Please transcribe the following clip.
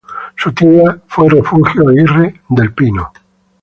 Su tía fue Refugio Aguirre del Pino.